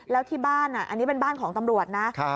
แล้วที่บ้านอันนี้เป็นบ้านของตำรวจนะ